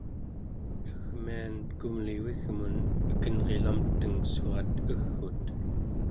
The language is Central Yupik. egmian kumlivigmun ekenrilamteng surat eg'ut